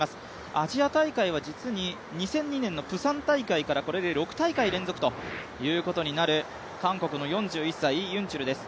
アジア大会は実に２００２年のプサン大会からこれで６大会連続ということになる韓国の４１歳、イ・ユンチュルです。